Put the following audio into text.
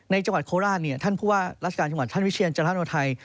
ในจังหวัดโคลาดเนี่ยท่านพูดว่าราชการจังหวัดท่านวิเชียรเจ้าธนไทย